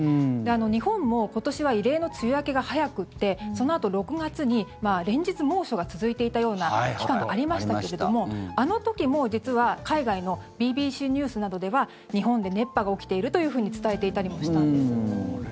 日本も今年は異例の梅雨明けが早くてそのあと６月に連日、猛暑が続いていたような期間がありましたけれどもあの時も実は海外のＢＢＣニュースなどでは日本で熱波が起きているというふうに伝えていたりもしたんです。